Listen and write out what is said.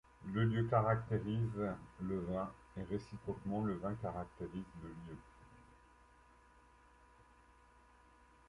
Le lieu caractérise le vin, et réciproquement, le vin caractérise le lieu.